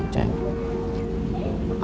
aku pasti sibuk sama esy